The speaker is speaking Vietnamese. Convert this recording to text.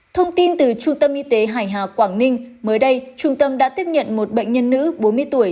thông tin từ trung tâm y tế hải hà quảng ninh mới đây trung tâm đã tiếp nhận một bệnh nhân nữ bốn mươi tuổi